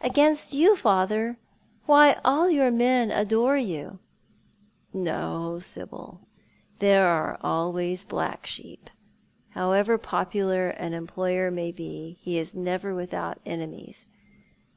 "Against you, father ? Why, all your men adore you." "No, Sibyl. There are always black sheep. However popular an employer may be, he is never without enemies.